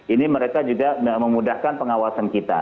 ini mereka juga memudahkan pengawasan kita